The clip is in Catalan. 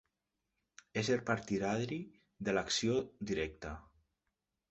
Ésser partidari de l'acció directa.